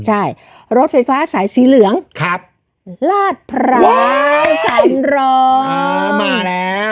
ใช่รถไฟฟ้าสายสีเหลืองครับลาดพร้าวสายร้อนอ๋อมาแล้ว